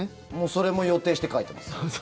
それも予定して書いてます。